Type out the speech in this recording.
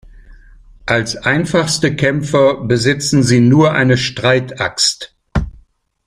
Als einfachste Kämpfer besitzen sie nur eine Streitaxt.